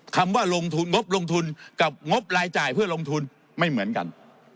คำว่าลงทุนงบลงทุนกับงบรายจ่ายเพื่อลงทุนไม่เหมือนกัน